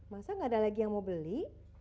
masa nggak ada lagi yang mau beli